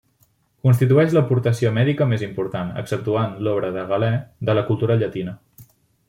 Constitueix l'aportació mèdica més important —exceptuant l'obra de Galè– de la cultura llatina.